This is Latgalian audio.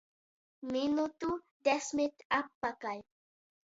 Minutu desmit atpakaļ.